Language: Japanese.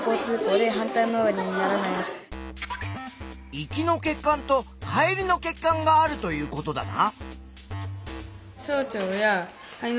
行きの血管と帰りの血管があるということだな！